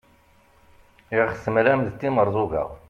i aɣ-temlam d timerẓuga